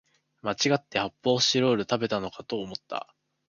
まちがって発泡スチロール食べたのかと思った